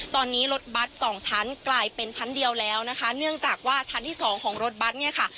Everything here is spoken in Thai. ตอนนี้รถบัตรสองชั้นกลายเป็นชั้นเดียวแล้วนะคะเนื่องจากว่าชั้นที่สองของรถบัตรเนี่ยค่ะ